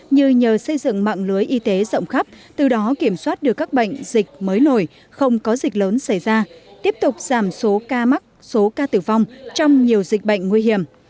như nhờ xây dựng mạng lưới y tế rộng khắp từ đó kiểm soát được các bệnh dịch mới nổi không có dịch lớn xảy ra tiếp tục giảm số ca mắc số ca tử vong trong nhiều dịch bệnh nguy hiểm